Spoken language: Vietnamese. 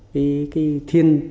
điều kiện của tỉnh quảng trị là